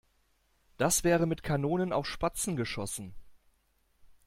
Das wäre mit Kanonen auf Spatzen geschossen.